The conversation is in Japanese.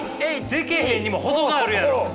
できへんにも程があるやろ。